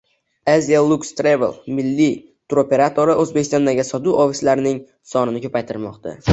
Asialuxe Travel milliy turoperatori O‘zbekistondagi sotuv ofislarining sonini ko‘paytirmoqda